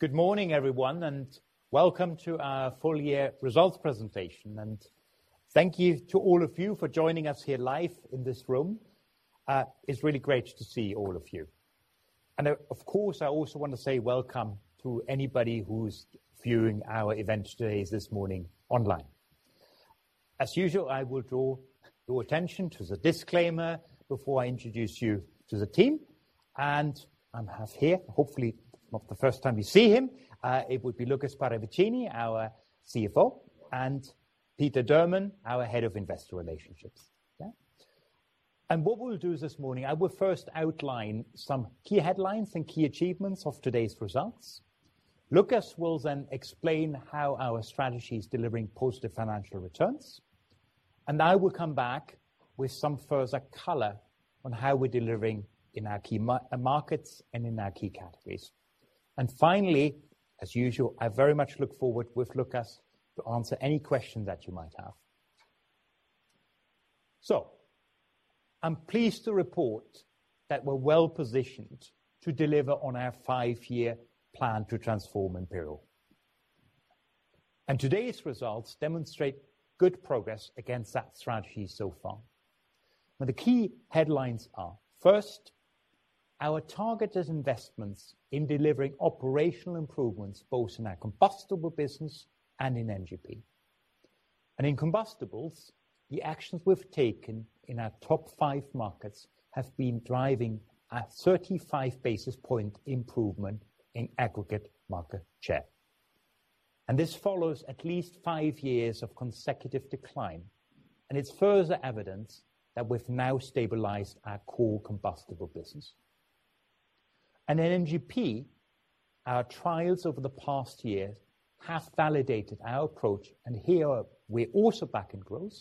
Good morning, everyone, and welcome to our full year results presentation. Thank you to all of you for joining us here live in this room. It's really great to see all of you. Of course, I also want to say welcome to anybody who's viewing our event today, this morning online. As usual, I will draw your attention to the disclaimer before I introduce you to the team. I have here, hopefully not the first time you see him, it would be Lukas Paravicini, our CFO, and Peter Durman, our Head of Investor Relations. What we'll do this morning, I will first outline some key headlines and key achievements of today's results. Lukas will then explain how our strategy is delivering positive financial returns. I will come back with some further color on how we're delivering in our key markets and in our key categories. Finally, as usual, I very much look forward with Lukas to answer any question that you might have. I'm pleased to report that we're well-positioned to deliver on our five-year plan to transform Imperial. Today's results demonstrate good progress against that strategy so far. Now, the key headlines are, first, our targeted investments in delivering operational improvements, both in our combustible business and in NGP. In combustibles, the actions we've taken in our top five markets have been driving a 35 basis point improvement in aggregate market share. This follows at least five years of consecutive decline, and it's further evidence that we've now stabilized our core combustible business. In NGP, our trials over the past year have validated our approach, and here we're also back in growth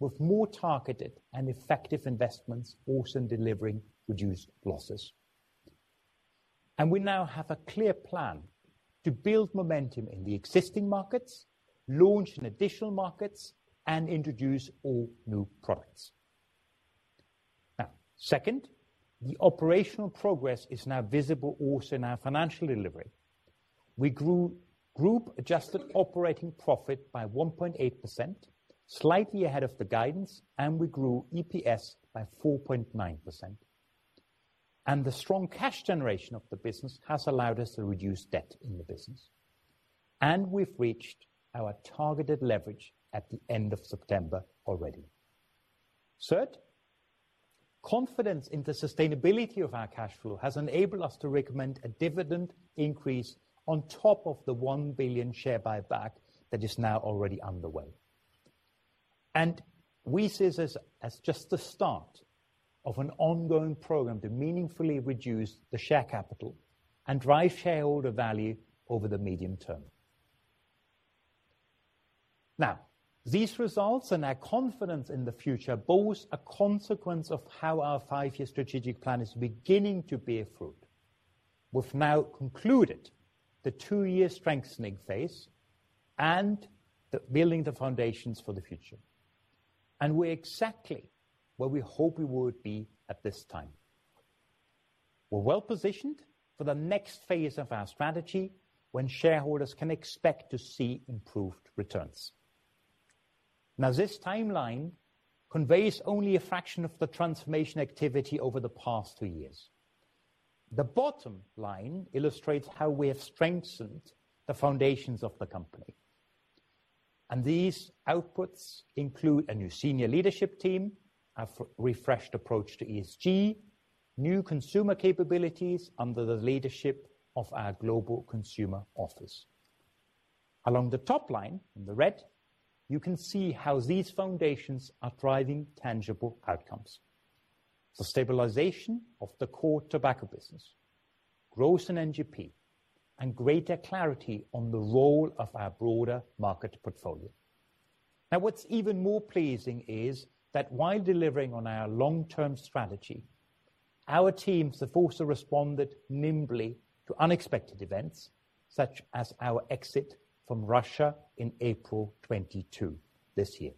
with more targeted and effective investments, also in delivering reduced losses. We now have a clear plan to build momentum in the existing markets, launch in additional markets, and introduce all new products. Now, second, the operational progress is now visible also in our financial delivery. We grew Group adjusted operating profit by 1.8%, slightly ahead of the guidance, and we grew EPS by 4.9%. The strong cash generation of the business has allowed us to reduce debt in the business. We've reached our targeted leverage at the end of September already. Third, confidence in the sustainability of our cash flow has enabled us to recommend a dividend increase on top of the 1 billion share buyback that is now already underway. We see this as just the start of an ongoing program to meaningfully reduce the share capital and drive shareholder value over the medium term. Now, these results and our confidence in the future, both a consequence of how our five-year strategic plan is beginning to bear fruit. We've now concluded the two-year strengthening phase and the building the foundations for the future. We're exactly where we hope we would be at this time. We're well-positioned for the next phase of our strategy when shareholders can expect to see improved returns. Now, this timeline conveys only a fraction of the transformation activity over the past two years. The bottom line illustrates how we have strengthened the foundations of the company. These outputs include a new senior leadership team, a refreshed approach to ESG, new consumer capabilities under the leadership of our global consumer office. Along the top line, in the red, you can see how these foundations are driving tangible outcomes. The stabilization of the core tobacco business, growth in NGP, and greater clarity on the role of our broader market portfolio. Now, what's even more pleasing is that while delivering on our long-term strategy, our teams have also responded nimbly to unexpected events, such as our exit from Russia in April 2022, this year.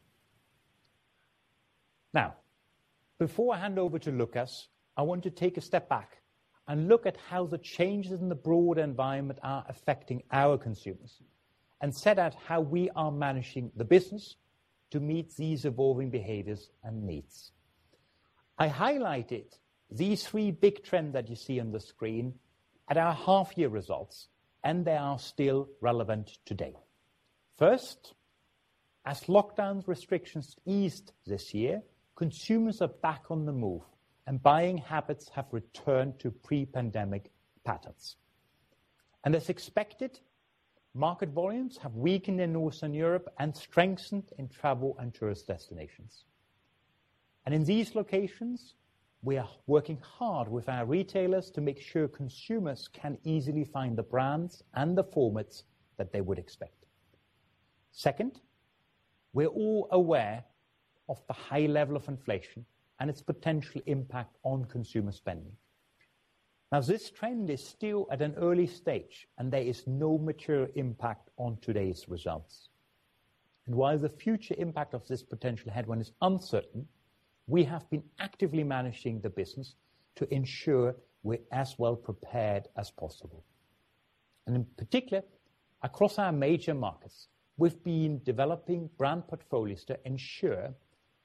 Now, before I hand over to Lukas, I want to take a step back and look at how the changes in the broader environment are affecting our consumers and set out how we are managing the business to meet these evolving behaviors and needs. I highlighted these three big trends that you see on the screen at our half-year results, and they are still relevant today. First, as lockdown restrictions eased this year, consumers are back on the move, and buying habits have returned to pre-pandemic patterns. As expected, market volumes have weakened in Western Europe and strengthened in travel and tourist destinations. In these locations, we are working hard with our retailers to make sure consumers can easily find the brands and the formats that they would expect. Second, we're all aware of the high level of inflation and its potential impact on consumer spending. Now, this trend is still at an early stage and there is no material impact on today's results. While the future impact of this potential headwind is uncertain, we have been actively managing the business to ensure we're as well prepared as possible. In particular, across our major markets, we've been developing brand portfolios to ensure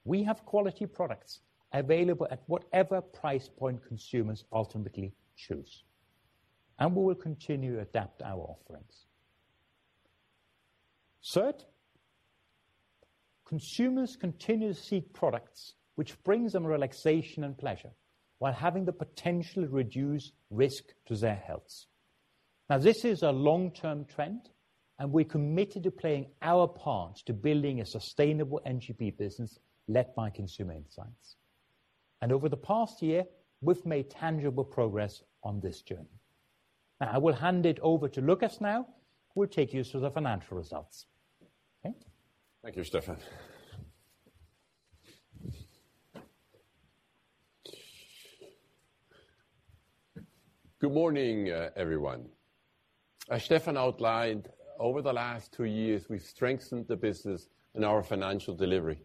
we have quality products available at whatever price point consumers ultimately choose. We will continue to adapt our offerings. Third, consumers continue to seek products which brings them relaxation and pleasure while having the potential reduced risk to their health. Now, this is a long-term trend, and we're committed to playing our part to building a sustainable NGP business led by consumer insights. Over the past year, we've made tangible progress on this journey. Now I will hand it over to Lukas now, who will take you through the financial results. Okay. Thank you, Stefan. Good morning, everyone. As Stefan outlined, over the last two years, we've strengthened the business in our financial delivery.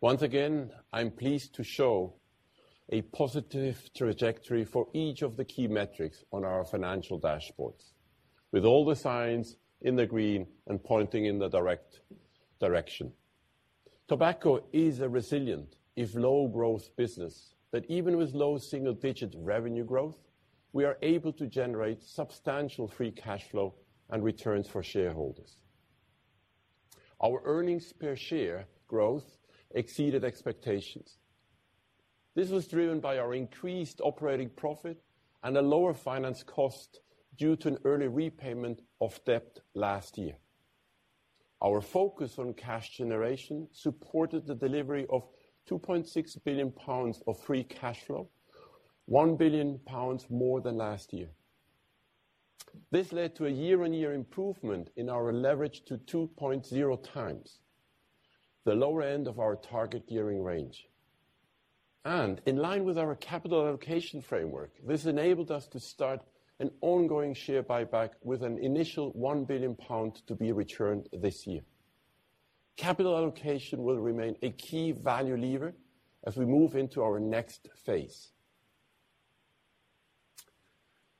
Once again, I'm pleased to show a positive trajectory for each of the key metrics on our financial dashboards, with all the signs in the green and pointing in the direct direction. Tobacco is a resilient, if low-growth business, that even with low single-digit revenue growth, we are able to generate substantial free cash flow and returns for shareholders. Our earnings per share growth exceeded expectations. This was driven by our increased operating profit and a lower finance cost due to an early repayment of debt last year. Our focus on cash generation supported the delivery of 2.6 billion pounds of free cash flow, 1 billion pounds more than last year. This led to a year-on-year improvement in our leverage to 2.0 times, the lower end of our target gearing range. In line with our capital allocation framework, this enabled us to start an ongoing share buyback with an initial 1 billion pound to be returned this year. Capital allocation will remain a key value lever as we move into our next phase.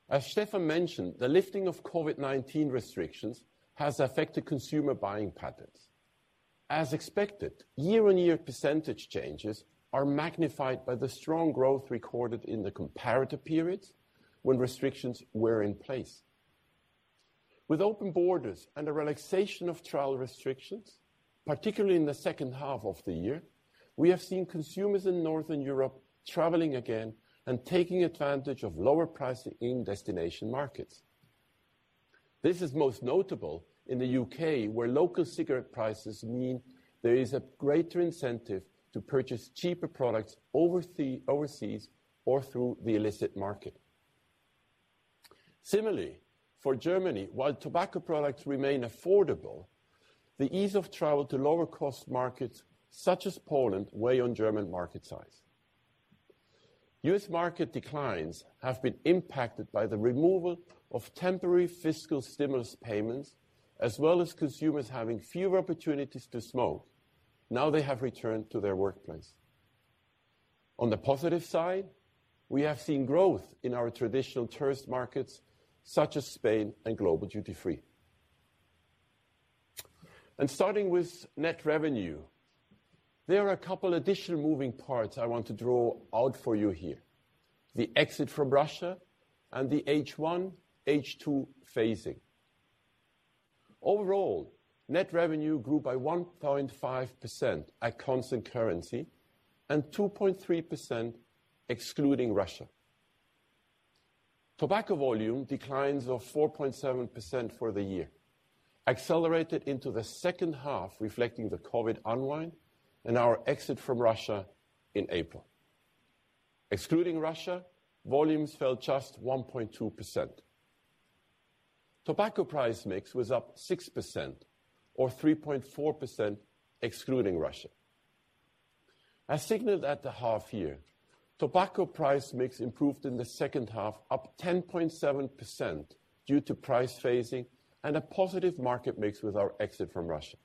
As Stefan mentioned, the lifting of COVID-19 restrictions has affected consumer buying patterns. As expected, year-on-year percentage changes are magnified by the strong growth recorded in the comparative periods when restrictions were in place. With open borders and a relaxation of travel restrictions, particularly in the second half of the year, we have seen consumers in Northern Europe traveling again and taking advantage of lower pricing in destination markets. This is most notable in the U.K., where local cigarette prices mean there is a greater incentive to purchase cheaper products overseas or through the illicit market. Similarly, for Germany, while tobacco products remain affordable, the ease of travel to lower-cost markets such as Poland weigh on German market size. U.S. market declines have been impacted by the removal of temporary fiscal stimulus payments, as well as consumers having fewer opportunities to smoke now they have returned to their workplace. On the positive side, we have seen growth in our traditional tourist markets such as Spain and global duty-free. Starting with net revenue, there are a couple additional moving parts I want to draw out for you here, the exit from Russia and the H1, H2 phasing. Overall, net revenue grew by 1.5% at constant currency and 2.3% excluding Russia. Tobacco volume declines of 4.7% for the year accelerated into the second half, reflecting the COVID unwind and our exit from Russia in April. Excluding Russia, volumes fell just 1.2%. Tobacco price mix was up 6% or 3.4% excluding Russia. As signaled at the half year, tobacco price mix improved in the second half, up 10.7% due to price phasing and a positive market mix with our exit from Russia.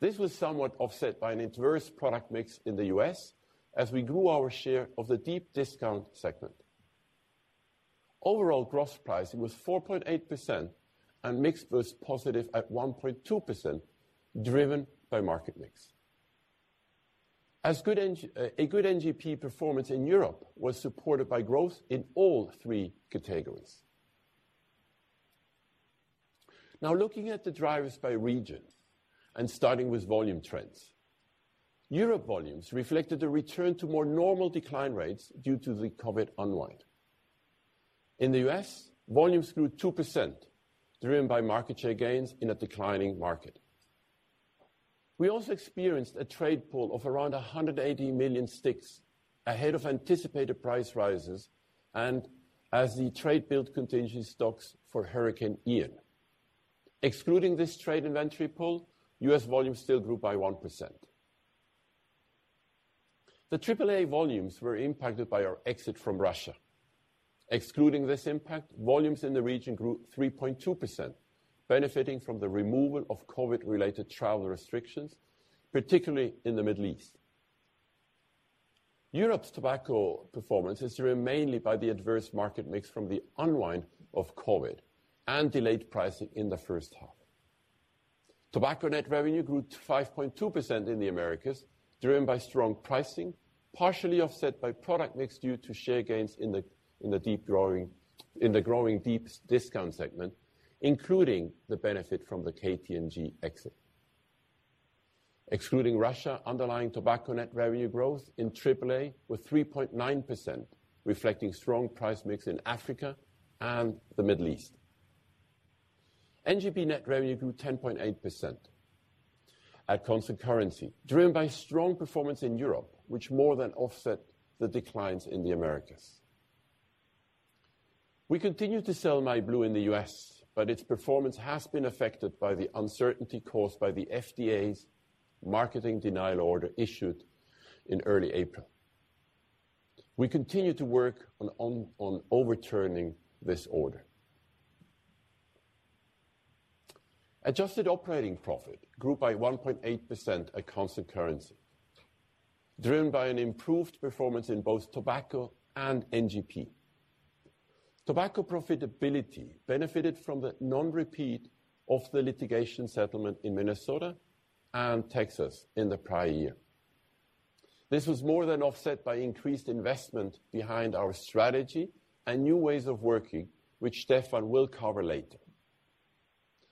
This was somewhat offset by an adverse product mix in the US as we grew our share of the deep discount segment. Overall gross pricing was 4.8% and mix was positive at 1.2%, driven by market mix. A good NGP performance in Europe was supported by growth in all three categories. Now looking at the drivers by region and starting with volume trends. Europe volumes reflected a return to more normal decline rates due to the COVID unwind. In the U.S., volumes grew 2%, driven by market share gains in a declining market. We also experienced a trade pull of around 180 million sticks ahead of anticipated price rises and as the trade built contingency stocks for Hurricane Ian. Excluding this trade inventory pull, U.S. volumes still grew by 1%. The AAA volumes were impacted by our exit from Russia. Excluding this impact, volumes in the region grew 3.2%, benefiting from the removal of COVID-related travel restrictions, particularly in the Middle East. Europe's tobacco performance is driven mainly by the adverse market mix from the unwind of COVID and delayed pricing in the first half. Tobacco net revenue grew 5.2% in the Americas, driven by strong pricing, partially offset by product mix due to share gains in the growing deep discount segment, including the benefit from the KT&G exit. Excluding Russia, underlying tobacco net revenue growth in AAA was 3.9%, reflecting strong price mix in Africa and the Middle East. NGP net revenue grew 10.8% at constant currency, driven by strong performance in Europe, which more than offset the declines in the Americas. We continue to sell myblu in the US, but its performance has been affected by the uncertainty caused by the FDA's marketing denial order issued in early April. We continue to work on overturning this order. Adjusted operating profit grew by 1.8% at constant currency, driven by an improved performance in both tobacco and NGP. Tobacco profitability benefited from the non-repeat of the litigation settlement in Minnesota and Texas in the prior year. This was more than offset by increased investment behind our strategy and new ways of working, which Stefan will cover later.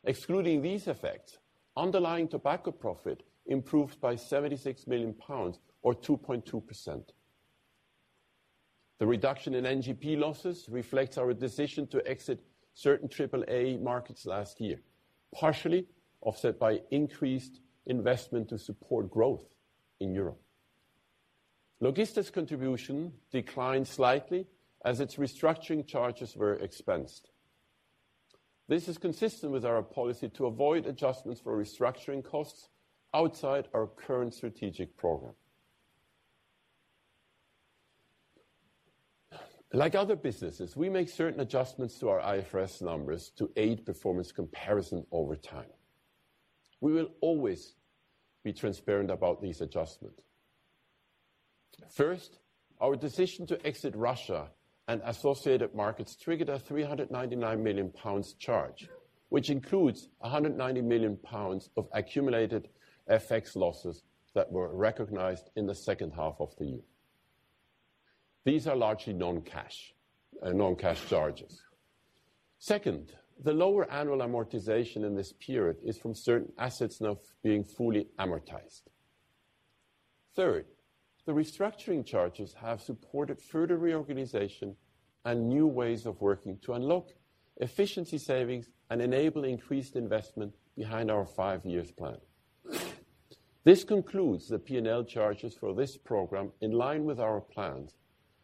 Excluding these effects, underlying tobacco profit improved by 76 million pounds or 2.2%. The reduction in NGP losses reflects our decision to exit certain AAA markets last year, partially offset by increased investment to support growth in Europe. Logista's contribution declined slightly as its restructuring charges were expensed. This is consistent with our policy to avoid adjustments for restructuring costs outside our current strategic program. Like other businesses, we make certain adjustments to our IFRS numbers to aid performance comparison over time. We will always be transparent about these adjustments. First, our decision to exit Russia and associated markets triggered a 399 million pounds charge, which includes a 190 million pounds of accumulated FX losses that were recognized in the second half of the year. These are largely non-cash charges. Second, the lower annual amortization in this period is from certain assets not being fully amortized. Third, the restructuring charges have supported further reorganization and new ways of working to unlock efficiency savings and enable increased investment behind our five-year plan. This concludes the P&L charges for this program in line with our plans,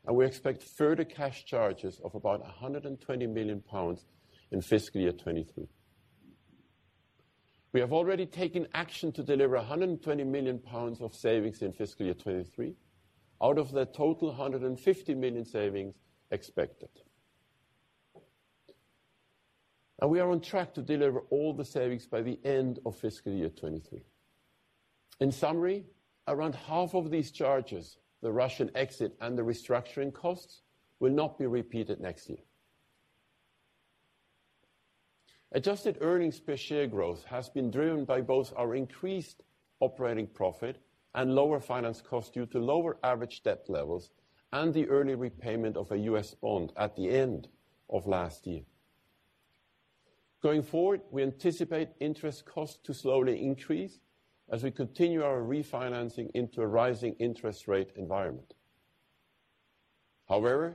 and we expect further cash charges of about a 120 million pounds in fiscal year 2023. We have already taken action to deliver 120 million pounds of savings in fiscal year 2023 out of the total 150 million savings expected. We are on track to deliver all the savings by the end of fiscal year 2023. In summary, around half of these charges, the Russian exit and the restructuring costs, will not be repeated next year. Adjusted earnings per share growth has been driven by both our increased operating profit and lower finance cost due to lower average debt levels and the early repayment of a U.S. bond at the end of last year. Going forward, we anticipate interest costs to slowly increase as we continue our refinancing into a rising interest rate environment. However,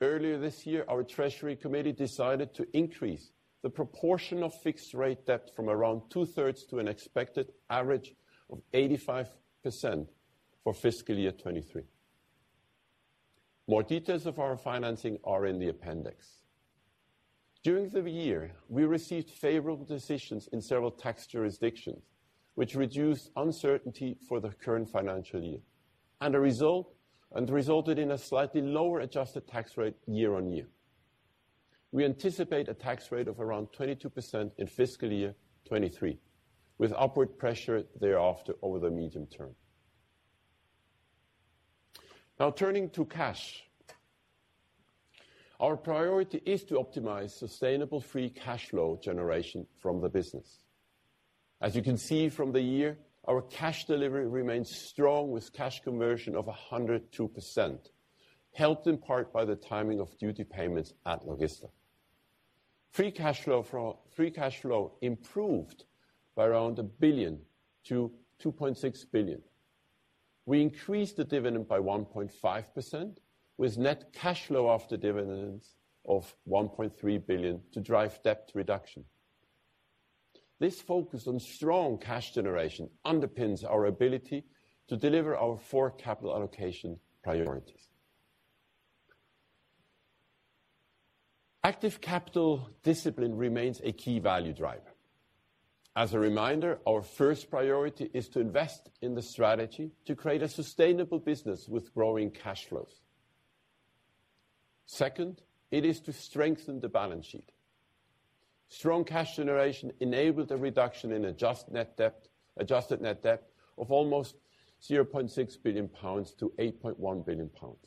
earlier this year, our treasury committee decided to increase the proportion of fixed rate debt from around 2/3 to an expected average of 85% for fiscal year 2023. More details of our financing are in the appendix. During the year, we received favorable decisions in several tax jurisdictions, which reduced uncertainty for the current financial year and resulted in a slightly lower adjusted tax rate year on year. We anticipate a tax rate of around 22% in fiscal year 2023, with upward pressure thereafter over the medium term. Now turning to cash. Our priority is to optimize sustainable free cash flow generation from the business. As you can see from the year, our cash delivery remains strong with cash conversion of 102%, helped in part by the timing of duty payments at Logista. Free cash flow from. Free cash flow improved by around 1 billion-2.6 billion. We increased the dividend by 1.5%, with net cash flow after dividends of 1.3 billion to drive debt reduction. This focus on strong cash generation underpins our ability to deliver our four capital allocation priorities. Active capital discipline remains a key value driver. As a reminder, our first priority is to invest in the strategy to create a sustainable business with growing cash flows. Second, it is to strengthen the balance sheet. Strong cash generation enabled a reduction in adjusted net debt, adjusted net debt of almost 0.6 billion-8.1 billion pounds.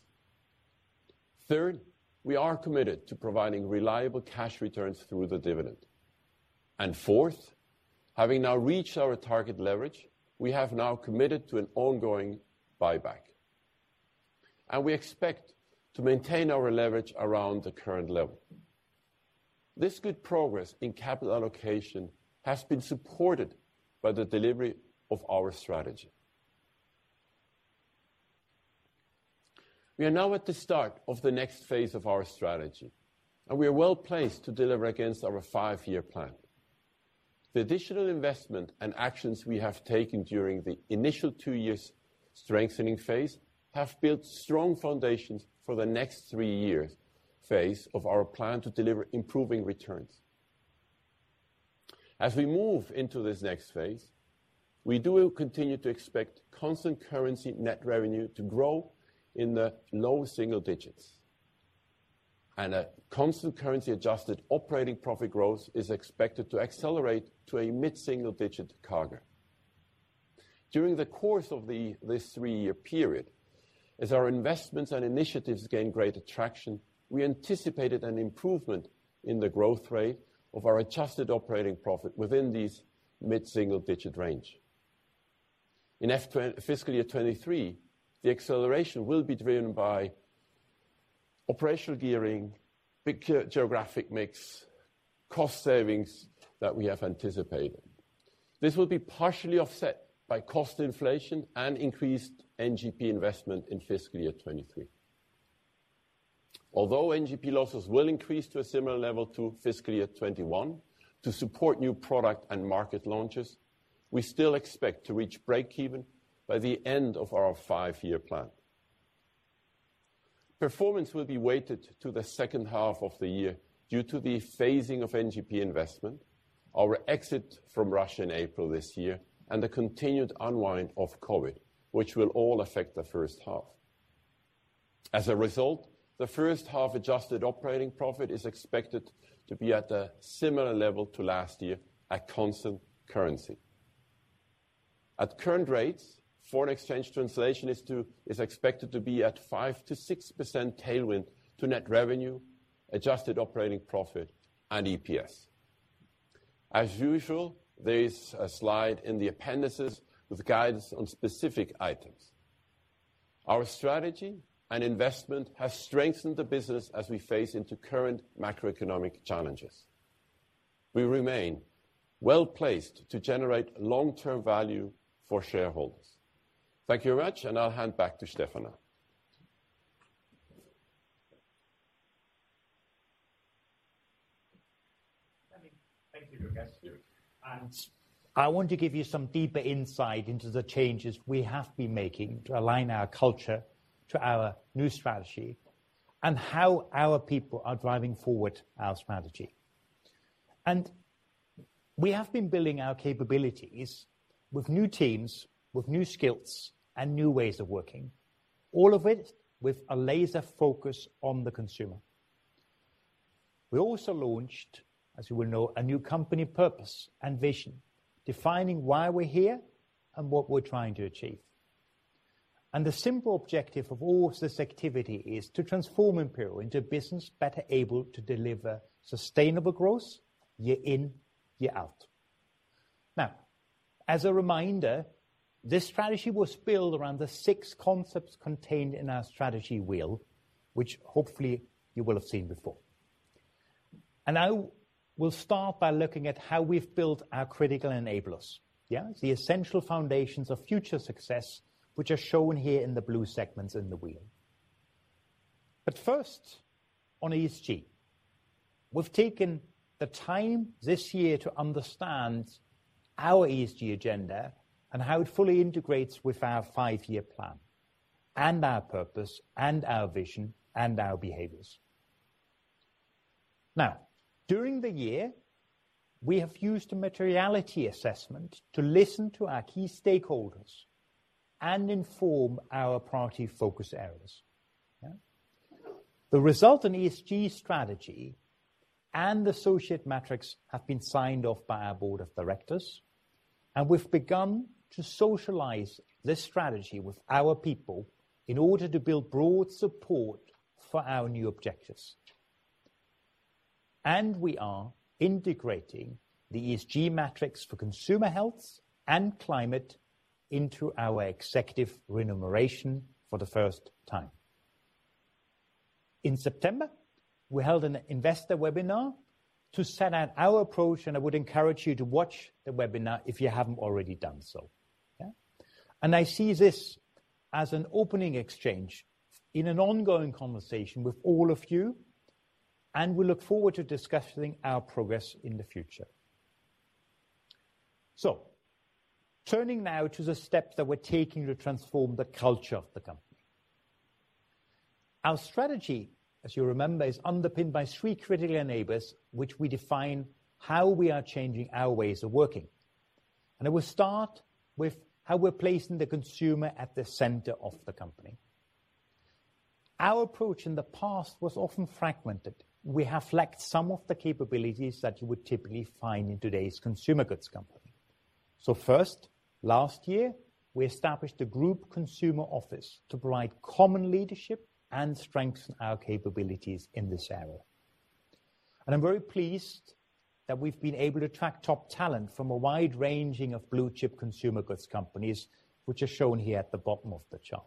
Third, we are committed to providing reliable cash returns through the dividend. Fourth, having now reached our target leverage, we have now committed to an ongoing buyback. We expect to maintain our leverage around the current level. This good progress in capital allocation has been supported by the delivery of our strategy. We are now at the start of the next phase of our strategy, and we are well-placed to deliver against our five-year plan. The additional investment and actions we have taken during the initial two-year strengthening phase have built strong foundations for the next three-year phase of our plan to deliver improving returns. As we move into this next phase, we do continue to expect constant currency net revenue to grow in the low single digits. A constant currency adjusted operating profit growth is expected to accelerate to a mid-single digit CAGR. During the course of this three-year period, as our investments and initiatives gain great traction, we anticipated an improvement in the growth rate of our adjusted operating profit within this mid-single digit range. In fiscal year 2023, the acceleration will be driven by operational gearing, by geographic mix, cost savings that we have anticipated. This will be partially offset by cost inflation and increased NGP investment in fiscal year 2023. Although NGP losses will increase to a similar level to fiscal year 2021 to support new product and market launches, we still expect to reach breakeven by the end of our five-year plan. Performance will be weighted to the second half of the year due to the phasing of NGP investment, our exit from Russia in April this year, and the continued unwind of COVID, which will all affect the first half. As a result, the first half adjusted operating profit is expected to be at a similar level to last year at constant currency. At current rates, foreign exchange translation is expected to be at 5%-6% tailwind to net revenue, adjusted operating profit and EPS. As usual, there is a slide in the appendices with guidance on specific items. Our strategy and investment have strengthened the business as we face into current macroeconomic challenges. We remain well-placed to generate long-term value for shareholders. Thank you very much, and I'll hand back to Stefan. Thank you, Lukas. I want to give you some deeper insight into the changes we have been making to align our culture to our new strategy and how our people are driving forward our strategy. We have been building our capabilities with new teams, with new skills and new ways of working, all of it with a laser focus on the consumer. We also launched, as you will know, a new company purpose and vision, defining why we're here and what we're trying to achieve. The simple objective of all of this activity is to transform Imperial into a business better able to deliver sustainable growth year in, year out. Now, as a reminder, this strategy was built around the six concepts contained in our strategy wheel, which hopefully you will have seen before. I will start by looking at how we've built our critical enablers, yeah. The essential foundations of future success, which are shown here in the blue segments in the wheel. First, on ESG, we've taken the time this year to understand our ESG agenda and how it fully integrates with our five-year plan and our purpose and our vision and our behaviors. Now, during the year, we have used a materiality assessment to listen to our key stakeholders and inform our priority focus areas. The resulting ESG strategy and the associated metrics have been signed off by our board of directors, and we've begun to socialize this strategy with our people in order to build broad support for our new objectives. We are integrating the ESG metrics for consumer health and climate into our executive remuneration for the first time. In September, we held an investor webinar to set out our approach, and I would encourage you to watch the webinar if you haven't already done so. Yeah? I see this as an opening exchange in an ongoing conversation with all of you, and we look forward to discussing our progress in the future. Turning now to the steps that we're taking to transform the culture of the company. Our strategy, as you remember, is underpinned by three critical enablers, which we define how we are changing our ways of working. I will start with how we're placing the consumer at the center of the company. Our approach in the past was often fragmented. We have lacked some of the capabilities that you would typically find in today's consumer goods company. First, last year, we established a group consumer office to provide common leadership and strengthen our capabilities in this area. I'm very pleased that we've been able to attract top talent from a wide-ranging of blue-chip consumer goods companies, which are shown here at the bottom of the chart.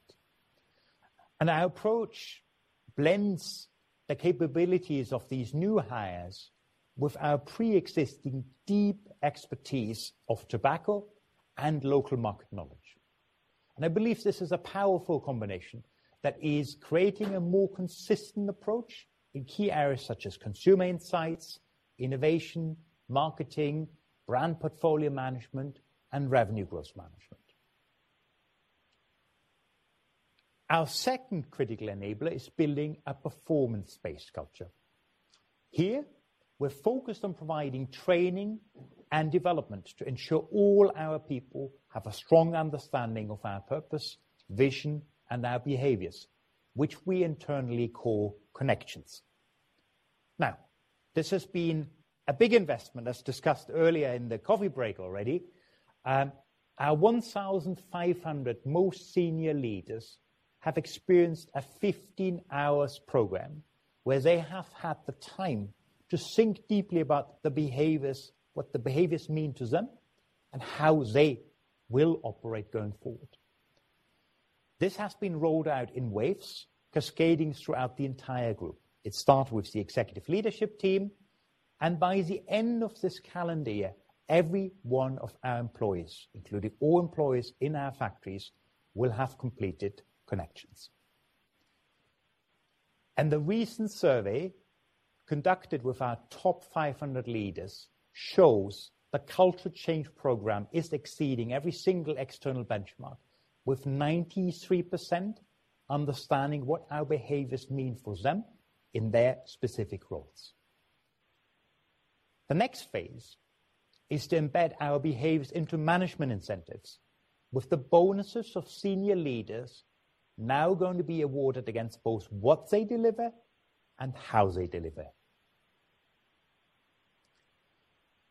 Our approach blends the capabilities of these new hires with our preexisting deep expertise of tobacco and local market knowledge. I believe this is a powerful combination that is creating a more consistent approach in key areas such as consumer insights, innovation, marketing, brand portfolio management, and revenue growth management. Our second critical enabler is building a performance-based culture. Here, we're focused on providing training and development to ensure all our people have a strong understanding of our purpose, vision, and our behaviors, which we internally call Connections. Now, this has been a big investment, as discussed earlier in the coffee break already. Our 1,500 most senior leaders have experienced a 15-hour program where they have had the time to think deeply about the behaviors, what the behaviors mean to them, and how they will operate going forward. This has been rolled out in waves cascading throughout the entire group. It started with the executive leadership team, and by the end of this calendar year, every one of our employees, including all employees in our factories, will have completed Connections. The recent survey conducted with our top 500 leaders shows the culture change program is exceeding every single external benchmark with 93% understanding what our behaviors mean for them in their specific roles. The next phase is to embed our behaviors into management incentives, with the bonuses of senior leaders now going to be awarded against both what they deliver and how they deliver.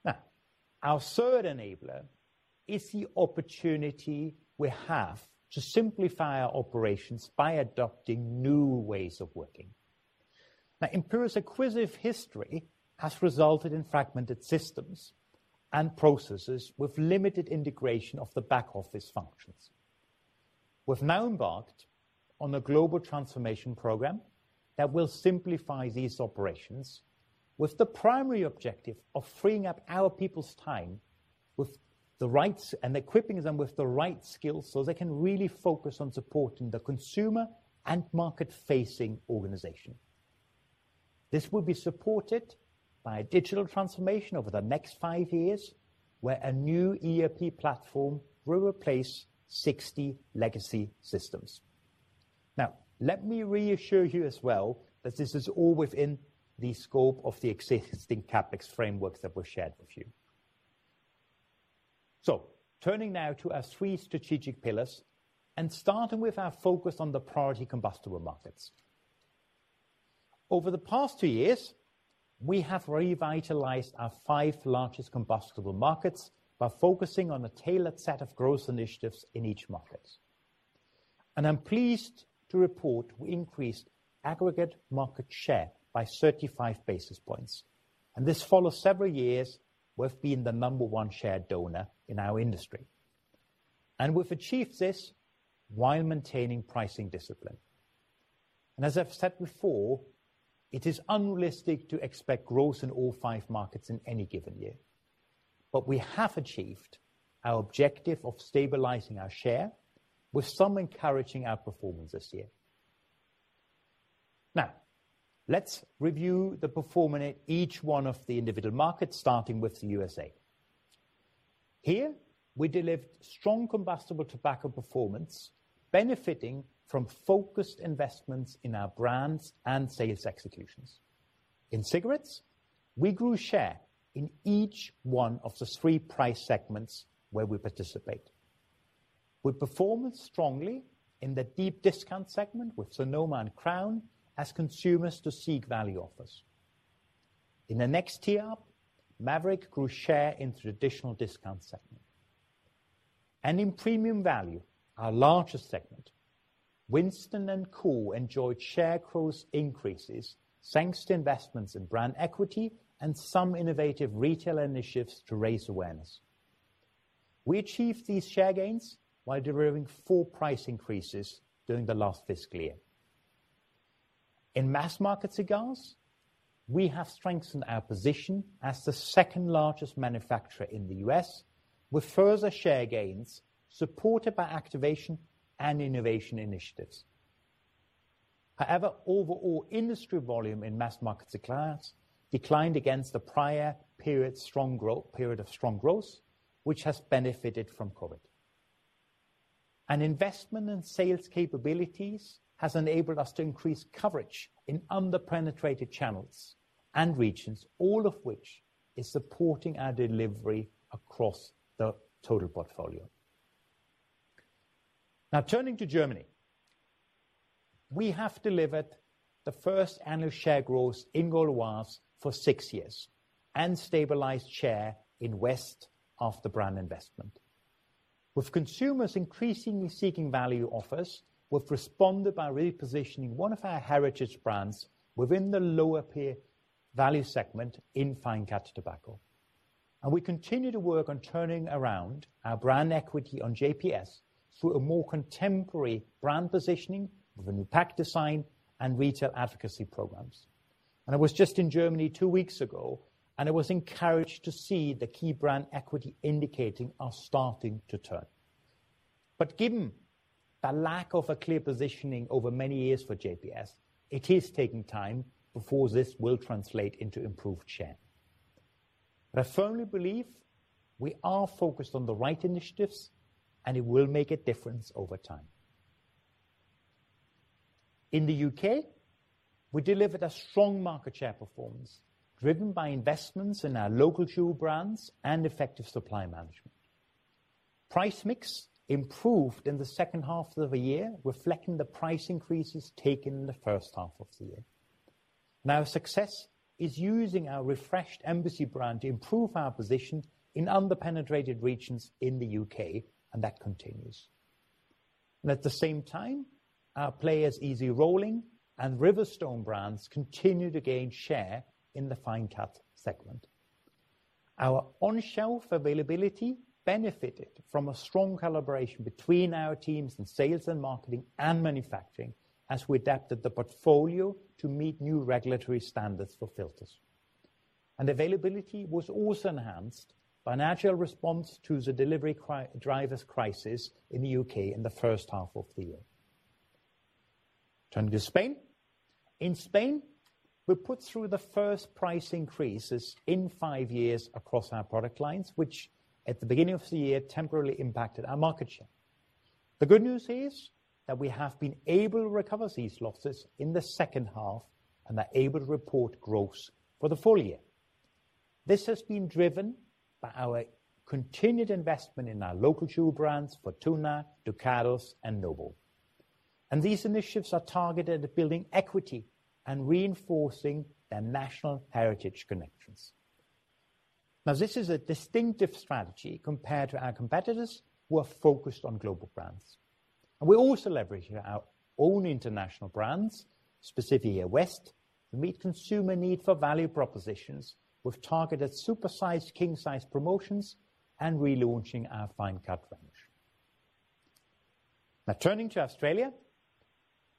Now, our third enabler is the opportunity we have to simplify our operations by adopting new ways of working. Now, Imperial's acquisitive history has resulted in fragmented systems and processes with limited integration of the back-office functions. We've now embarked on a global transformation program that will simplify these operations with the primary objective of freeing up our people's time with the right tools and equipping them with the right skills, so they can really focus on supporting the consumer and market-facing organization. This will be supported by a digital transformation over the next five years, where a new ERP platform will replace 60 legacy systems. Now, let me reassure you as well that this is all within the scope of the existing CapEx framework that was shared with you. Turning now to our three strategic pillars and starting with our focus on the priority combustible markets. Over the past two years, we have revitalized our five largest combustible markets by focusing on a tailored set of growth initiatives in each market. I'm pleased to report we increased aggregate market share by 35 basis points. This follows several years we've been the number one share donor in our industry. We've achieved this while maintaining pricing discipline. As I've said before, it is unrealistic to expect growth in all five markets in any given year. We have achieved our objective of stabilizing our share with some encouraging outperformance this year. Now, let's review the performance in each one of the individual markets, starting with the USA. Here, we delivered strong combustible tobacco performance, benefiting from focused investments in our brands and sales executions. In cigarettes, we grew share in each one of the three price segments where we participate. We performed strongly in the deep discount segment with Sonoma and Crown as consumers to seek value offers. In the next tier, Maverick grew share in traditional discount segment. In premium value, our largest segment, Winston and Kool enjoyed share growth increases, thanks to investments in brand equity and some innovative retail initiatives to raise awareness. We achieved these share gains while delivering full price increases during the last fiscal year. In mass market cigars, we have strengthened our position as the second-largest manufacturer in the US with further share gains supported by activation and innovation initiatives. However, overall industry volume in mass market declines against the prior period of strong growth, which has benefited from COVID. Investment in sales capabilities has enabled us to increase coverage in under-penetrated channels and regions, all of which is supporting our delivery across the total portfolio. Now, turning to Germany. We have delivered the first annual share growth in Gauloises for six years and stabilized share in West after brand investment. With consumers increasingly seeking value offers, we've responded by repositioning one of our heritage brands within the lower peer value segment in fine cut tobacco. We continue to work on turning around our brand equity on JPS through a more contemporary brand positioning with a new pack design and retail advocacy programs. I was just in Germany two weeks ago, and I was encouraged to see the key brand equity indicators are starting to turn. Given the lack of a clear positioning over many years for JPS, it is taking time before this will translate into improved share. I firmly believe we are focused on the right initiatives, and it will make a difference over time. In the UK, we delivered a strong market share performance driven by investments in our local jewel brands and effective supply management. Price mix improved in the second half of the year, reflecting the price increases taken in the first half of the year. Now, success is using our refreshed Embassy brand to improve our position in under-penetrated regions in the U.K., and that continues. At the same time, our Player's, Easy Rolling, and Riverstone brands continue to gain share in the fine cut segment. Our on-shelf availability benefited from a strong collaboration between our teams in sales and marketing and manufacturing as we adapted the portfolio to meet new regulatory standards for filters. Availability was also enhanced by an agile response to the delivery drivers crisis in the U.K. in the first half of the year. Turning to Spain. In Spain, we put through the first price increases in five years across our product lines, which at the beginning of the year temporarily impacted our market share. The good news is that we have been able to recover these losses in the second half and are able to report growth for the full year. This has been driven by our continued investment in our local jewel brands, Fortuna, Ducados, and Nobel. These initiatives are targeted at building equity and reinforcing their national heritage connections. Now, this is a distinctive strategy compared to our competitors who are focused on global brands. We're also leveraging our own international brands, specifically West, to meet consumer need for value propositions with targeted super-sized, king-size promotions and relaunching our fine cut range. Now turning to Australia,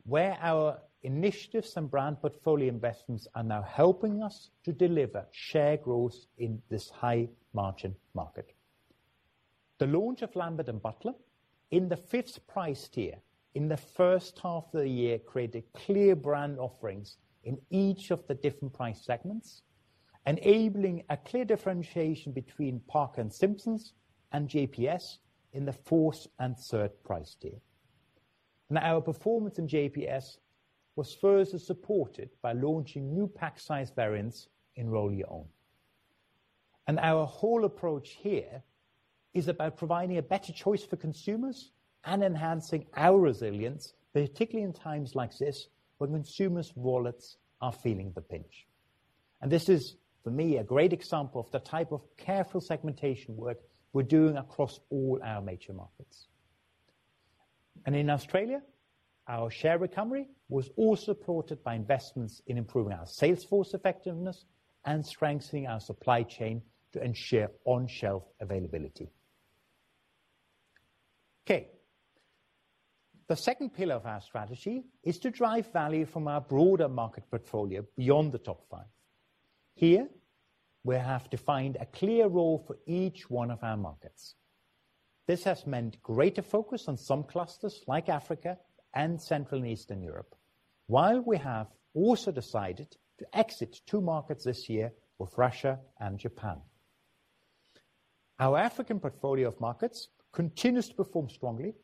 where our initiatives and brand portfolio investments are now helping us to deliver share growth in this high-margin market. The launch of Lambert & Butler in the fifth price tier in the first half of the year created clear brand offerings in each of the different price segments, enabling a clear differentiation between Parker & Simpson and JPS in the fourth and third price tier. Now, our performance in JPS was further supported by launching new pack size variants in roll your own. Our whole approach here is about providing a better choice for consumers and enhancing our resilience, particularly in times like this when consumers' wallets are feeling the pinch. This is, for me, a great example of the type of careful segmentation work we're doing across all our major markets. In Australia, our share recovery was also supported by investments in improving our sales force effectiveness and strengthening our supply chain to ensure on-shelf availability. Okay. The second pillar of our strategy is to drive value from our broader market portfolio beyond the top five. Here, we have defined a clear role for each one of our markets. This has meant greater focus on some clusters like Africa and Central and Eastern Europe. While we have also decided to exit two markets this year with Russia and Japan. Our African portfolio of markets continues to perform strongly,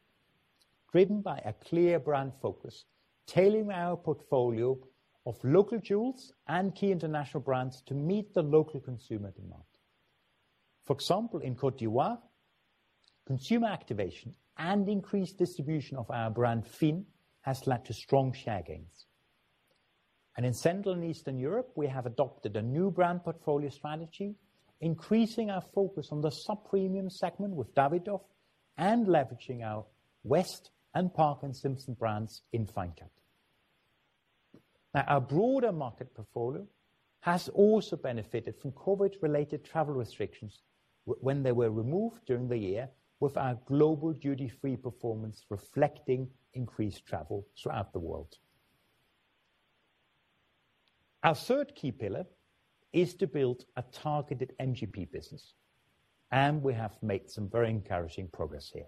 driven by a clear brand focus, tailoring our portfolio of local jewels and key international brands to meet the local consumer demand. For example, in Côte d'Ivoire, consumer activation and increased distribution of our brand Fine has led to strong share gains. In Central and Eastern Europe, we have adopted a new brand portfolio strategy, increasing our focus on the sub-premium segment with Davidoff and leveraging our West and Parker & Simpson brands in fine cut. Now, our broader market portfolio has also benefited from COVID-related travel restrictions when they were removed during the year with our global duty-free performance reflecting increased travel throughout the world. Our third key pillar is to build a targeted NGP business, and we have made some very encouraging progress here.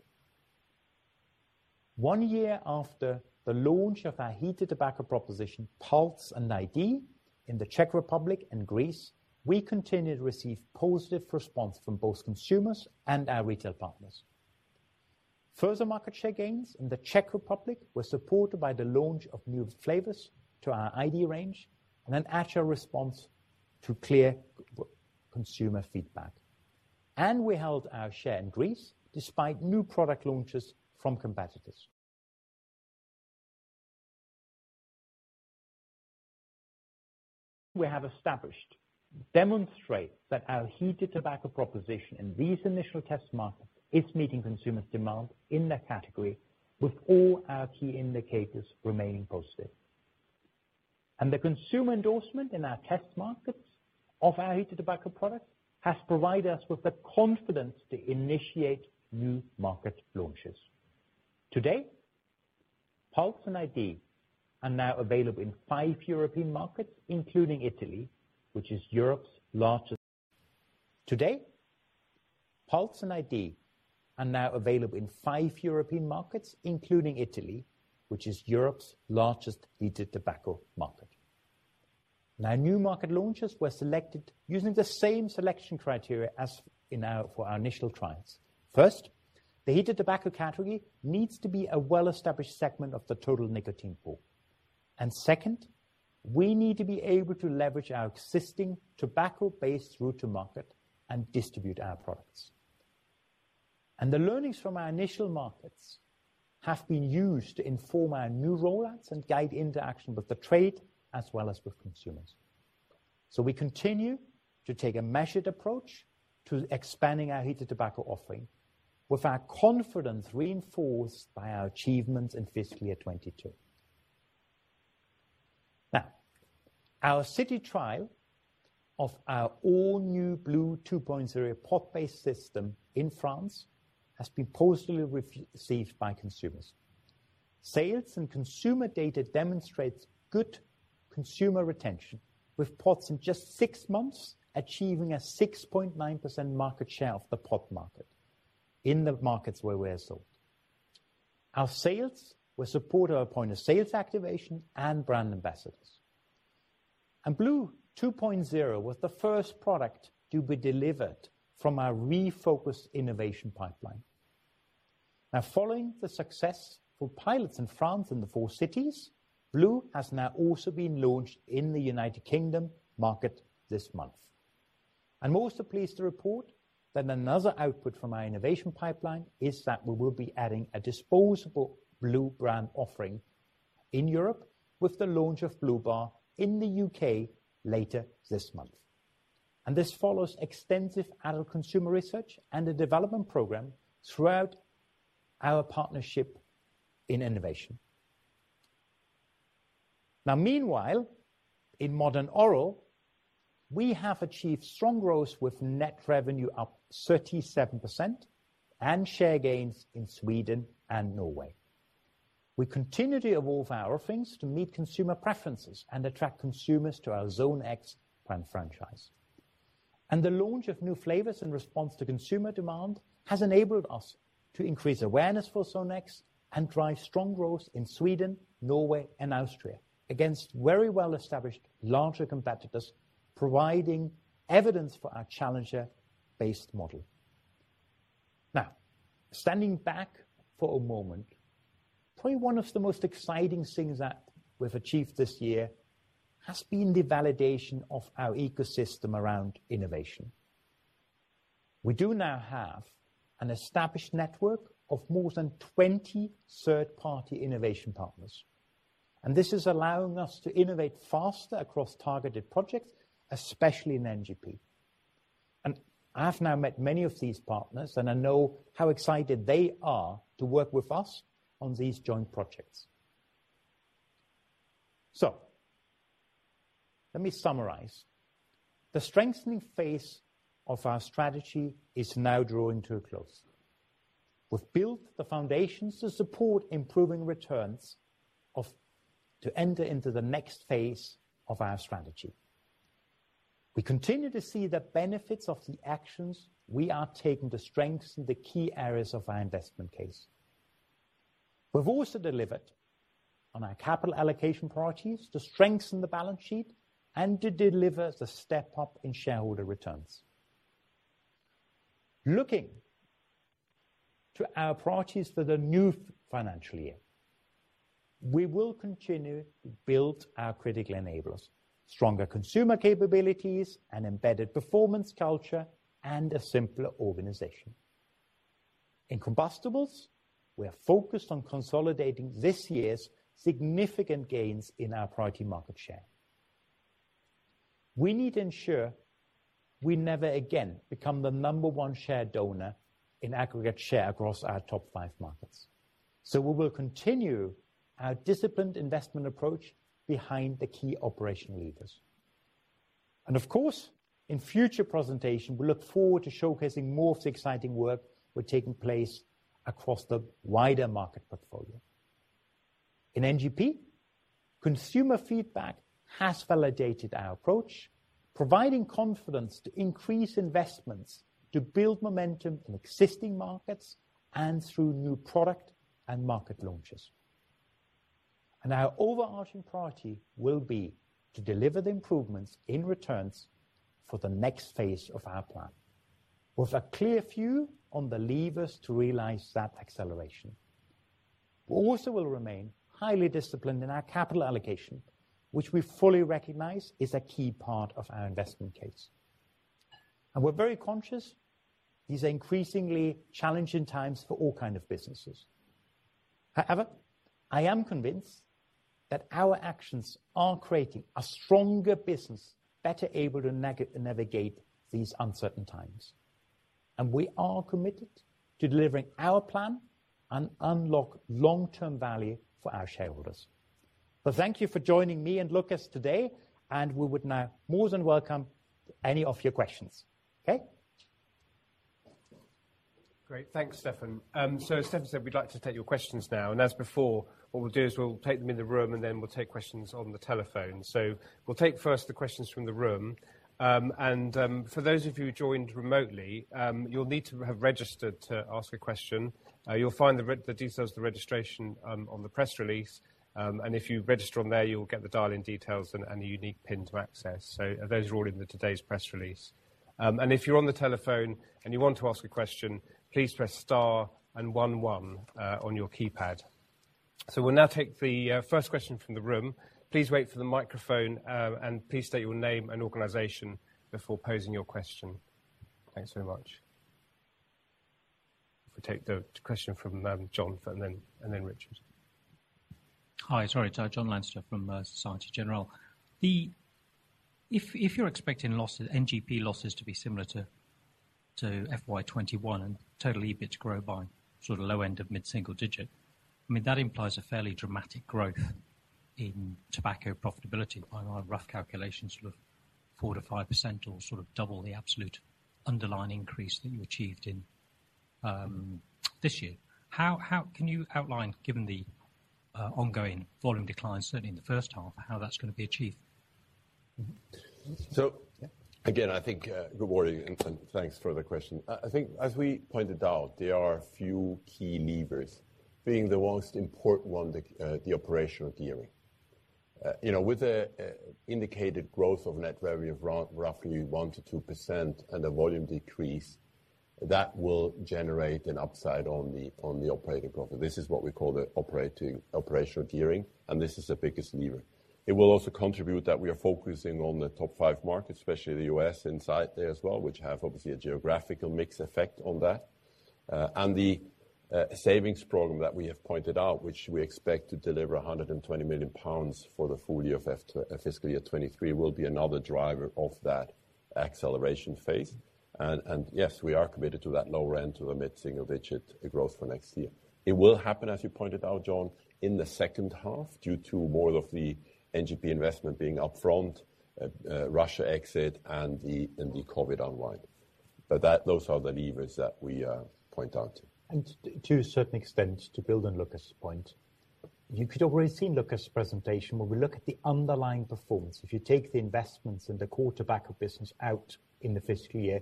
One year after the launch of our heated tobacco proposition, Pulze and iD, in the Czech Republic and Greece, we continue to receive positive response from both consumers and our retail partners. Further market share gains in the Czech Republic were supported by the launch of new flavors to our iD range and an agile response to clear consumer feedback. We held our share in Greece despite new product launches from competitors. We have established, demonstrate that our heated tobacco proposition in these initial test markets is meeting consumers' demand in that category with all our key indicators remaining positive. The consumer endorsement in our test markets of our heated tobacco products has provided us with the confidence to initiate new market launches. Today, Pulze and iD are now available in five European markets, including Italy, which is Europe's largest. Today, Pulze and iD are now available in five European markets, including Italy, which is Europe's largest heated tobacco market. Now, new market launches were selected using the same selection criteria as in our initial trials. First, the heated tobacco category needs to be a well-established segment of the total nicotine pool. Second, we need to be able to leverage our existing tobacco-based route to market and distribute our products. The learnings from our initial markets have been used to inform our new rollouts and guide interaction with the trade as well as with consumers. We continue to take a measured approach to expanding our heated tobacco offering with our confidence reinforced by our achievements in fiscal year 2022. Now, our city trial of our all-new blu 2.0 pod-based system in France has been positively received by consumers. Sales and consumer data demonstrates good consumer retention, with pods in just six months achieving a 6.9% market share of the pod market in the markets where we're sold. Our sales will support our point-of-sales activation and brand ambassadors. blu 2.0 was the first product to be delivered from our refocused innovation pipeline. Now, following the success for pilots in France in the four cities, blu has now also been launched in the United Kingdom market this month. I'm also pleased to report that another output from our innovation pipeline is that we will be adding a disposable blu brand offering in Europe with the launch of blu bar in the UK later this month. This follows extensive adult consumer research and a development program throughout our partnership in innovation. Now meanwhile, in modern oral, we have achieved strong growth with net revenue up 37% and share gains in Sweden and Norway. We continue to evolve our offerings to meet consumer preferences and attract consumers to our Zone X brand franchise. The launch of new flavors in response to consumer demand has enabled us to increase awareness for Zone X and drive strong growth in Sweden, Norway, and Austria against very well-established larger competitors, providing evidence for our challenger-based model. Now, standing back for a moment, probably one of the most exciting things that we've achieved this year has been the validation of our ecosystem around innovation. We do now have an established network of more than 20 third-party innovation partners, and this is allowing us to innovate faster across targeted projects, especially in NGP. I have now met many of these partners, and I know how excited they are to work with us on these joint projects. Let me summarize. The strengthening phase of our strategy is now drawing to a close. We've built the foundations to support improving returns to enter into the next phase of our strategy. We continue to see the benefits of the actions we are taking to strengthen the key areas of our investment case. We've also delivered on our capital allocation priorities to strengthen the balance sheet and to deliver the step up in shareholder returns. Looking to our priorities for the new financial year, we will continue to build our critical enablers, stronger consumer capabilities and embedded performance culture, and a simpler organization. In combustibles, we are focused on consolidating this year's significant gains in our priority market share. We need to ensure we never again become the number one share donor in aggregate share across our top five markets. We will continue our disciplined investment approach behind the key operational levers. Of course, in future presentations, we look forward to showcasing more of the exciting work that's taking place across the wider market portfolio. In NGP, consumer feedback has validated our approach, providing confidence to increase investments to build momentum in existing markets and through new product and market launches. Our overarching priority will be to deliver the improvements in returns for the next phase of our plan, with a clear view on the levers to realize that acceleration. We also will remain highly disciplined in our capital allocation, which we fully recognize is a key part of our investment case. We're very conscious these are increasingly challenging times for all kind of businesses. However, I am convinced that our actions are creating a stronger business, better able to navigate these uncertain times. We are committed to delivering our plan and unlock long-term value for our shareholders. Thank you for joining me and Lukas today, and we would now more than welcome any of your questions. Okay. Great. Thanks, Stefan. So as Stefan said, we'd like to take your questions now. As before, what we'll do is we'll take them in the room, and then we'll take questions on the telephone. We'll take first the questions from the room. For those of you who joined remotely, you'll need to have registered to ask a question. You'll find the details of the registration on the press release. If you register on there, you'll get the dial-in details and the unique pin to access. Those are all in today's press release. If you're on the telephone and you want to ask a question, please press star and one on your keypad. We'll now take the first question from the room. Please wait for the microphone, and please state your name and organization before posing your question. Thanks very much. If we take the question from John and then Richard. Hi. Sorry. John Leinster from Société Générale. If you're expecting losses, NGP losses to be similar to FY 2021 and total EBIT grow by sort of low end of mid-single digit, I mean, that implies a fairly dramatic growth in tobacco profitability by my rough calculations of 4%-5% or sort of double the absolute underlying increase that you achieved in this year. How can you outline, given the ongoing volume declines, certainly in the first half, how that's gonna be achieved? Again, I think good morning, and thanks for the question. I think as we pointed out, there are a few key levers, being the most important one, the operational gearing. You know, with the indicated growth of net revenue of roughly 1%-2% and the volume decrease, that will generate an upside on the operating profit. This is what we call the operational gearing, and this is the biggest lever. It will also contribute that we are focusing on the top five markets, especially the US inside there as well, which have obviously a geographical mix effect on that. The savings program that we have pointed out, which we expect to deliver 120 million pounds for the full year of fiscal year 2023, will be another driver of that acceleration phase. Yes, we are committed to that lower end of a mid-single-digit percent growth for next year. It will happen, as you pointed out, John, in the second half due to more of the NGP investment being upfront, Russia exit and the COVID unwind. Those are the levers that we point out to. To a certain extent, to build on Lukas' point, you could already see in Lukas' presentation, when we look at the underlying performance, if you take the investments in the core tobacco business out in the fiscal year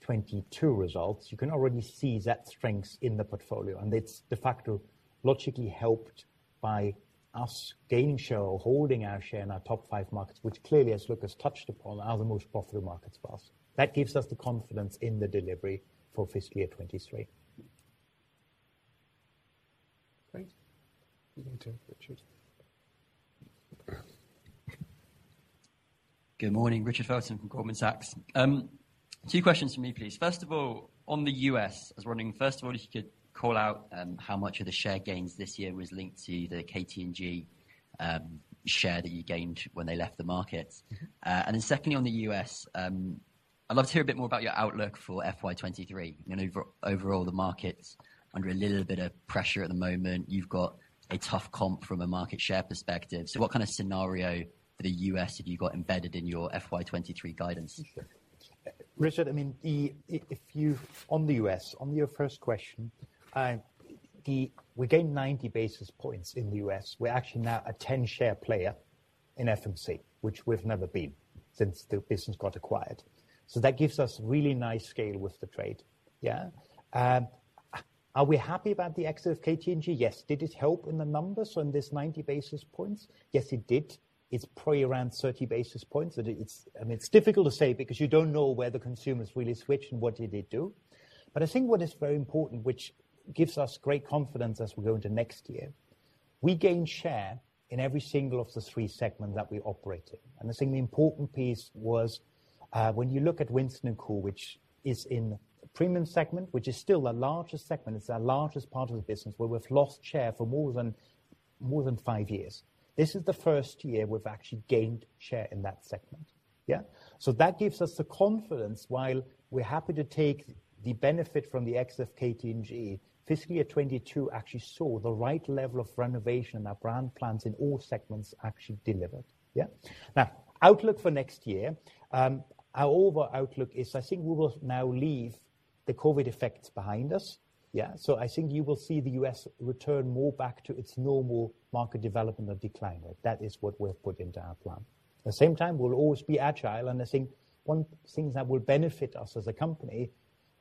2022 results, you can already see that strength in the portfolio. It's de facto logically helped by us gaining share or holding our share in our top five markets, which clearly, as Lukas touched upon, are the most profitable markets for us. That gives us the confidence in the delivery for fiscal year 2023. Great. You can turn to Richard. Good morning, Richard Felton from Goldman Sachs. Two questions from me, please. First of all, on the US, I was wondering, first of all, if you could call out how much of the share gains this year was linked to the KT&G share that you gained when they left the market. And then secondly, on the US, I'd love to hear a bit more about your outlook for FY 2023. You know, overall, the market's under a little bit of pressure at the moment. You've got a tough comp from a market share perspective. What kind of scenario for the US have you got embedded in your FY 2023 guidance? Richard, I mean, on the U.S., on your first question, we gained 90 basis points in the U.S. We're actually now a 10-share player in FMC, which we've never been since the business got acquired. So that gives us really nice scale with the trade, yeah. Are we happy about the exit of KT&G? Yes. Did it help in the numbers on this 90 basis points? Yes, it did. It's probably around 30 basis points. I mean, it's difficult to say because you don't know where the consumers really switched and what did they do. But I think what is very important, which gives us great confidence as we go into next year, we gain share in every single of the three segments that we operate in. I think the important piece was, when you look at Winston & Kool, which is in the premium segment, which is still the largest segment, it's our largest part of the business, where we've lost share for more than five years. This is the first year we've actually gained share in that segment. Yeah. That gives us the confidence. While we're happy to take the benefit from the exit of KT&G, FY 2022 actually saw the right level of renovation. Our brand plans in all segments actually delivered. Yeah. Now, outlook for next year, our overall outlook is I think we will now leave the COVID effects behind us, yeah. I think you will see the US return more back to its normal market development of decline. That is what we've put into our plan. At the same time, we'll always be agile, and I think one thing that will benefit us as a company,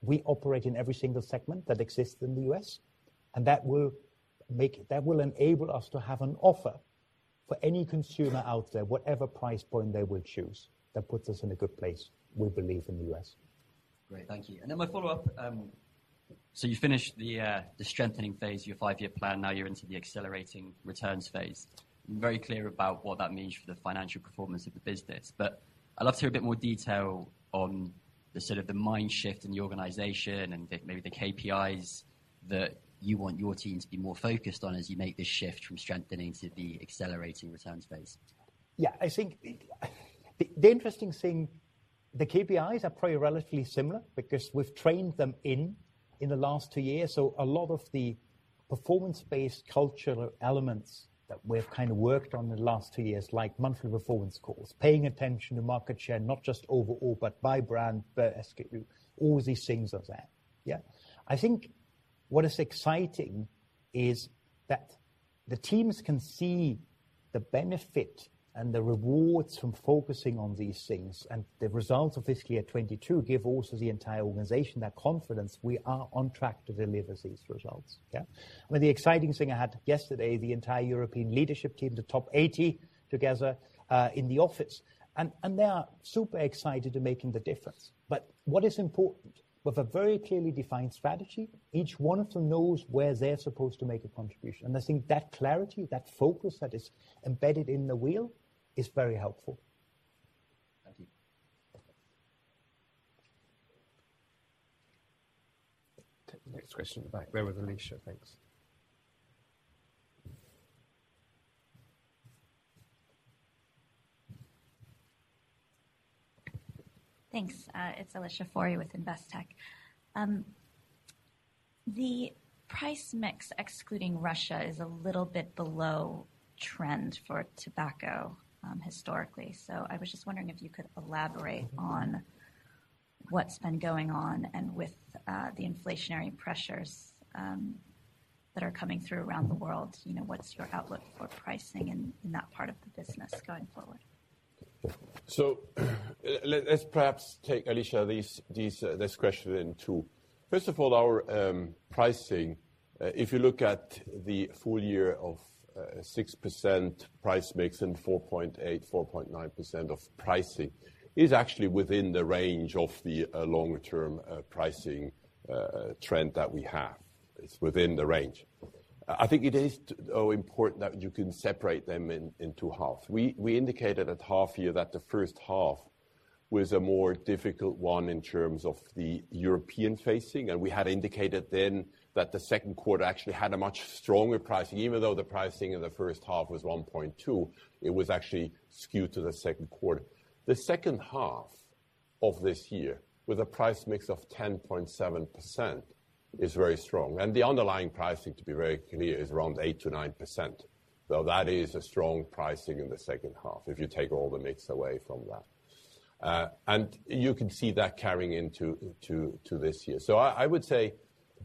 we operate in every single segment that exists in the US, and that will enable us to have an offer for any consumer out there, whatever price point they will choose. That puts us in a good place, we believe, in the US. Great. Thank you. My follow-up. You finished the strengthening phase, your five-year plan. Now you're into the accelerating returns phase. Very clear about what that means for the financial performance of the business. I'd love to hear a bit more detail on the sort of mind shift in the organization and maybe the KPIs that you want your team to be more focused on as you make this shift from strengthening to the accelerating returns phase? Yeah. I think the interesting thing, the KPIs are probably relatively similar because we've trained them in the last two years. A lot of the performance-based cultural elements that we've kind of worked on the last two years, like monthly performance calls, paying attention to market share, not just overall, but by brand, by SKU, all these things are there. Yeah. I think what is exciting is that the teams can see the benefit and the rewards from focusing on these things. The results of fiscal year 2022 give also the entire organization that confidence we are on track to deliver these results. Yeah. I mean, the exciting thing I had yesterday, the entire European leadership team, the top 80 together, in the office, and they are super excited in making the difference. What is important, with a very clearly defined strategy, each one of them knows where they're supposed to make a contribution. I think that clarity, that focus that is embedded in the wheel is very helpful. Thank you. Take the next question in the back. Where was Alicia? Thanks. Thanks. It's Alicia Forry with Investec. The price mix excluding Russia is a little bit below trend for tobacco, historically. I was just wondering if you could elaborate on what's been going on and with the inflationary pressures that are coming through around the world, you know, what's your outlook for pricing in that part of the business going forward? Let's perhaps take, Alicia, this question in two. First of all, our pricing, if you look at the full year of 6% price mix and 4.8-4.9% of pricing is actually within the range of the longer-term pricing trend that we have. It's within the range. I think it is important that you can separate them into half. We indicated at half year that the first half was a more difficult one in terms of the European facing, and we had indicated then that the second quarter actually had a much stronger pricing. Even though the pricing in the first half was 1.2%, it was actually skewed to the second quarter. The second half of this year, with a price mix of 10.7% is very strong. The underlying pricing, to be very clear, is around 8%-9%, so that is a strong pricing in the second half, if you take all the mix away from that. You can see that carrying into this year. I would say,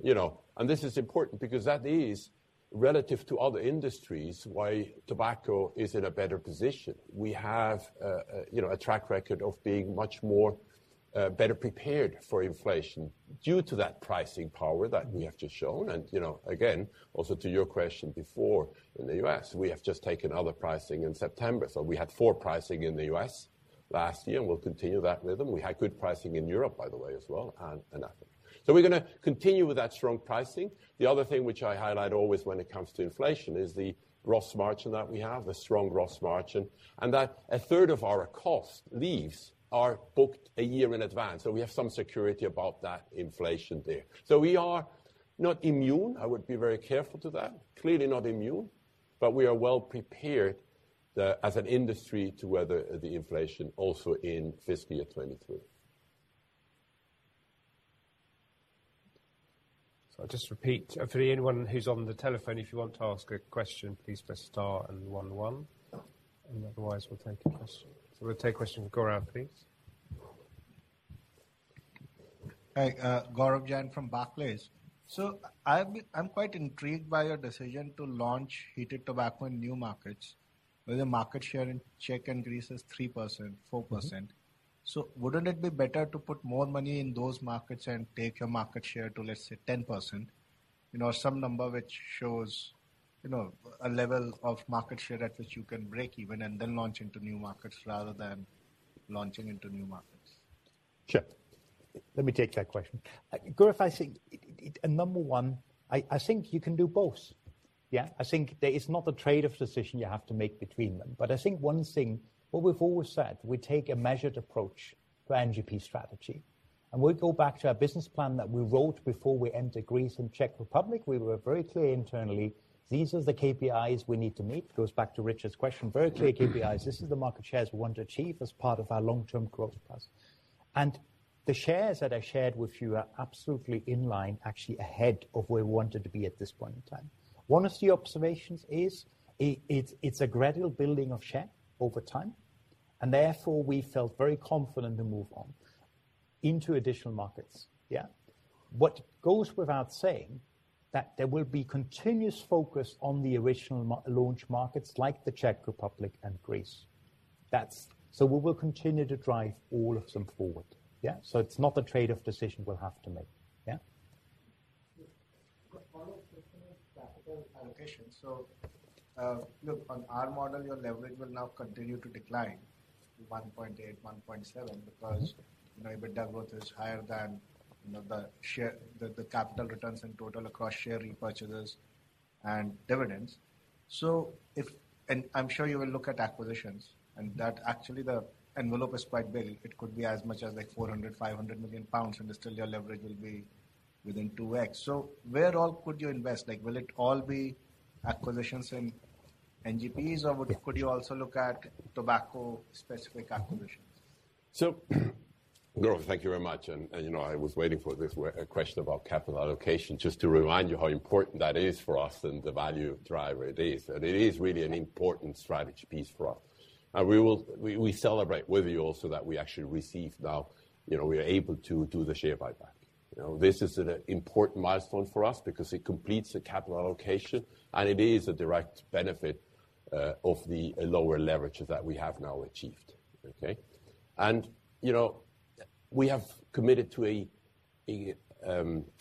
you know, and this is important because that is relative to other industries, why tobacco is in a better position. We have, you know, a track record of being much more better prepared for inflation due to that pricing power that we have just shown. You know, again, also to your question before, in the U.S., we have just taken other pricing in September. We had four pricing in the U.S. last year, and we'll continue that rhythm. We had good pricing in Europe, by the way, as well, and Africa. We're gonna continue with that strong pricing. The other thing which I highlight always when it comes to inflation is the gross margin that we have, a strong gross margin, and that a third of our cost leaves are booked a year in advance. We have some security about that inflation there. We are not immune. I would be very careful to that. Clearly not immune, but we are well prepared, as an industry to weather the inflation also in fiscal year 2023. I'll just repeat for anyone who's on the telephone, if you want to ask a question, please press star and one. Otherwise we'll take a question. We'll take question from Gaurav, please. Hi, Gaurav Jain from Barclays. I'm quite intrigued by your decision to launch heated tobacco in new markets, where the market share in Czech and Greece is 3%-4%. Wouldn't it be better to put more money in those markets and take your market share to, let's say, 10%? You know, some number which shows, you know, a level of market share at which you can break even and then launch into new markets rather than launching into new markets. Sure. Let me take that question. Gaurav, I think number one, I think you can do both. Yeah. I think that it's not a trade-off decision you have to make between them. I think one thing, what we've always said, we take a measured approach to NGP strategy. We go back to our business plan that we wrote before we entered Greece and Czech Republic. We were very clear internally, these are the KPIs we need to meet. It goes back to Richard's question, very clear KPIs. This is the market shares we want to achieve as part of our long-term growth process. The shares that I shared with you are absolutely in line, actually ahead of where we wanted to be at this point in time. One of the key observations is, it's a gradual building of share over time. Therefore, we felt very confident to move on into additional markets. Yeah. It goes without saying that there will be continuous focus on the original launch markets like the Czech Republic and Greece. That's. We will continue to drive all of them forward. Yeah. It's not a trade-off decision we'll have to make. Yeah? Follow-up question on capital allocation. Look on our model, your leverage will now continue to decline to 1.8, 1.7. Mm-hmm. because, you know, EBITDA growth is higher than, you know, the share, the capital returns in total across share repurchases and dividends. If I'm sure you will look at acquisitions, and that actually the envelope is quite big. It could be as much as like 400-500 million pounds, and still your leverage will be within 2x. Where all could you invest? Like, will it all be acquisitions in NGPs, or could you also look at tobacco-specific acquisitions? Gaurav Jain, thank you very much. You know, I was waiting for this question about capital allocation, just to remind you how important that is for us and the value driver it is. It is really an important strategy piece for us. We celebrate with you also that we actually received now, you know, we are able to do the share buyback. You know, this is an important milestone for us because it completes the capital allocation, and it is a direct benefit of the lower leverage that we have now achieved. Okay? You know, we have committed to a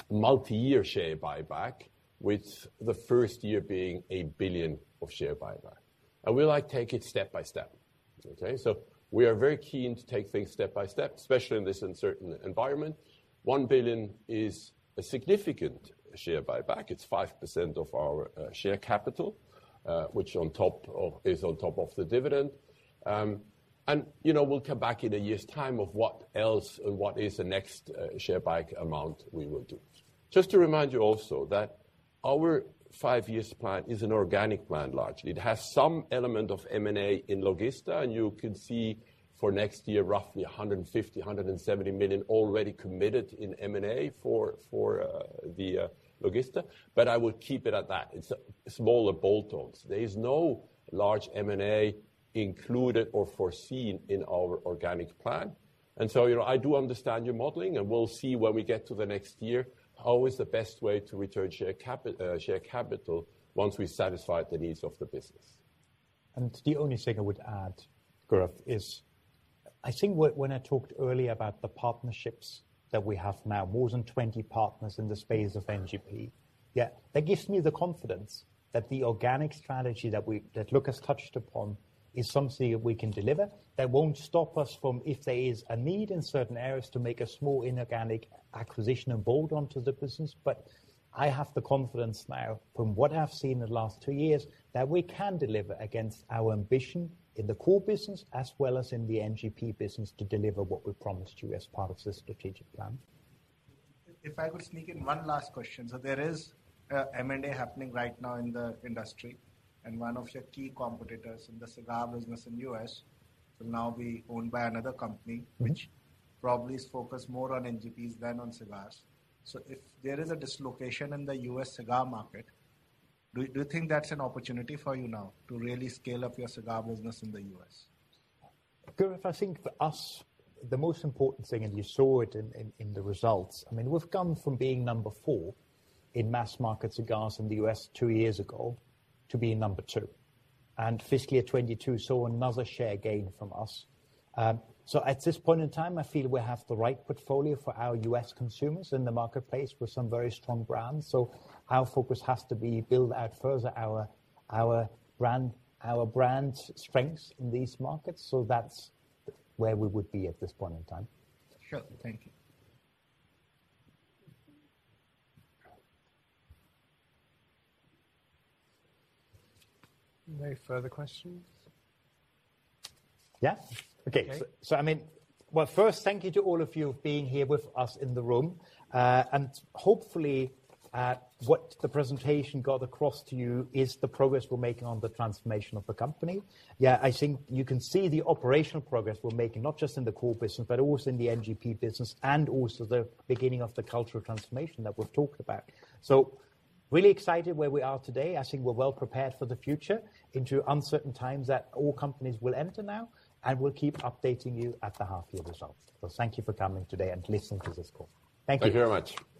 multi-year share buyback, with the first year being 1 billion share buyback. We like to take it step by step. Okay? We are very keen to take things step by step, especially in this uncertain environment. 1 billion is a significant share buyback. It's 5% of our share capital, which is on top of the dividend. And, you know, we'll come back in a year's time on what else and what is the next share buyback amount we will do. Just to remind you also that our five-year plan is an organic plan, largely. It has some element of M&A in Logista, and you can see for next year roughly 150-170 million already committed in M&A for the Logista, but I would keep it at that. It's smaller bolt-ons. There is no large M&A included or foreseen in our organic plan. You know, I do understand your modeling, and we'll see when we get to the next year, how is the best way to return share capital once we satisfy the needs of the business. The only thing I would add, Gaurav, is I think when I talked earlier about the partnerships that we have now, more than 20 partners in the space of NGP, yeah, that gives me the confidence that the organic strategy that we've, that Lukas touched upon is something we can deliver, that won't stop us from if there is a need in certain areas to make a small inorganic acquisition and bolt on to the business. I have the confidence now from what I've seen in the last two years, that we can deliver against our ambition in the core business as well as in the NGP business to deliver what we promised you as part of the strategic plan. If I could sneak in one last question. There is M&A happening right now in the industry, and one of your key competitors in the cigar business in the U.S. will now be owned by another company. Mm-hmm. Which probably is focused more on NGPs than on cigars. If there is a dislocation in the U.S. cigar market, do you think that's an opportunity for you now to really scale up your cigar business in the U.S.? Gaurav, I think for us, the most important thing, and you saw it in the results, I mean, we've come from being number four in mass market cigars in the U.S. two years ago to being number two. Fiscal year 2022 saw another share gain from us. At this point in time, I feel we have the right portfolio for our U.S. consumers in the marketplace with some very strong brands. Our focus has to be to build out further our brand strengths in these markets. That's where we would be at this point in time. Sure. Thank you. No further questions? Yeah. Okay. Okay. I mean, well, first, thank you to all of you for being here with us in the room. Hopefully, what the presentation got across to you is the progress we're making on the transformation of the company. Yeah, I think you can see the operational progress we're making, not just in the core business, but also in the NGP business, and also the beginning of the cultural transformation that we've talked about. Really excited where we are today. I think we're well prepared for the future into uncertain times that all companies will enter now, and we'll keep updating you at the half-year results. Thank you for coming today and listening to this call. Thank you. Thank you very much. Thank you.